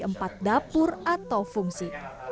empat dapur atau fungsi